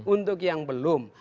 untuk yang belum